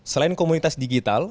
selain komunitas digital